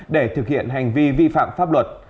để thực hiện hành vi vi phạm pháp luật